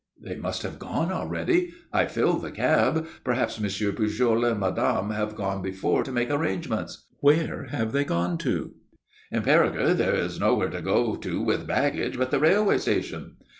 "They must have gone already. I filled the cab. Perhaps Monsieur Pujol and madame have gone before to make arrangements." "Where have they gone to?" "In Perigueux there is nowhere to go to with baggage but the railway station."